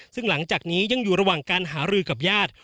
ซึ่งหลังจากนี้ยังอยู่ระหว่างการหารือกับญาติ